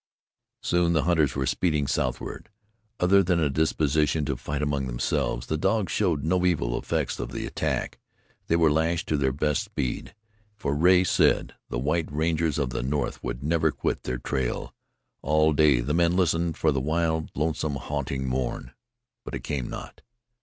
Soon the hunters were speeding southward. Other than a disposition to fight among themselves, the dogs showed no evil effects of the attack. They were lashed to their best speed, for Rea said the white rangers of the north would never quit their trail. All day the men listened for the wild, lonesome, haunting mourn. But it came not.